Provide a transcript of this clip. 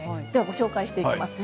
ご紹介していきます。